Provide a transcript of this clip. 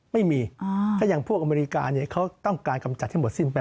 ไม่มีถ้าอย่างพวกอเมริกาเนี่ยเขาต้องการกำจัดให้หมดสิ้นไป